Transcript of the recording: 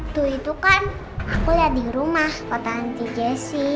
tuh itu kan aku liat di rumah foto anti jessy